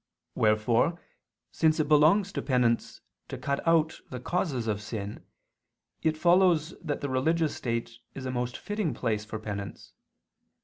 Wherefore since it belongs to penance to cut out the causes of sin, it follows that the religious state is a most fitting place for penance.